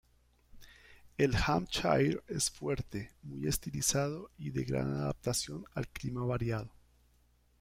El Hampshire es fuerte, muy estilizado y de gran adaptación al clima variado.